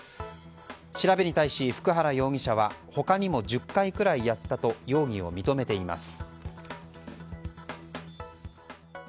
調べに対し、普久原容疑者は他にも１０回くらいやったと容疑を認めています。